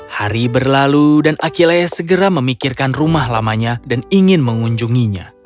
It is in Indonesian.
hari berlalu dan akilaya segera memikirkan rumah lamanya dan ingin mengunjunginya